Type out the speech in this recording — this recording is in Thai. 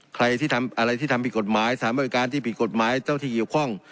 ใครที่ทำอะไรที่ทำผิดกฎหมายสถานบริการที่ผิดกฎหมายเจ้าที่เกี่ยวข้อง